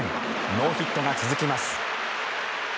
ノーヒットが続きます。